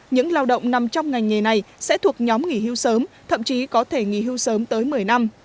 những lao động nằm trong ngành nghề này sẽ thuộc nhóm nghỉ hưu sớm thậm chí có thể nghỉ hưu sớm tới một mươi năm